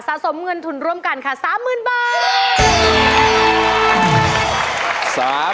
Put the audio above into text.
สมเงินทุนร่วมกันค่ะ๓๐๐๐บาท